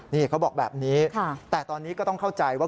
นี่เขาบอกแบบนี้แต่ตอนนี้ก็ต้องเข้าใจว่า